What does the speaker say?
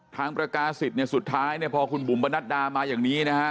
ทางประกาศสิทธิ์สุดท้ายพอคุณบุ๋มประนัดดามาอย่างนี้นะฮะ